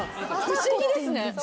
不思議ですね。